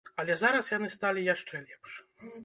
Але зараз яны сталі яшчэ лепш.